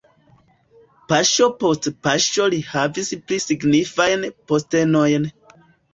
Paŝo post paŝo li havis pli signifajn postenojn.